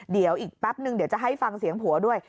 เดี๋ยวอีกแป๊บนึงเดี๋ยวจะให้ฟังเสียงผัวด้วย